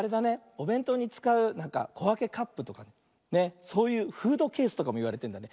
おべんとうにつかうこわけカップとかそういうフードケースとかもいわれてるんだね。